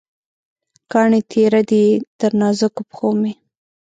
کاڼې تېره دي، تر نازکو پښومې